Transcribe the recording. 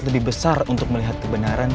lebih besar untuk melihat kebenaran